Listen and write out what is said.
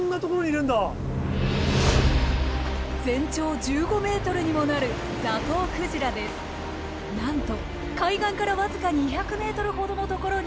全長１５ｍにもなるなんと海岸から僅か２００ｍほどのところに現れました。